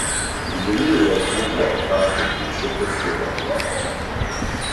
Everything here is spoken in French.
Il est né et a grandi à Prague en Tchécoslovaquie.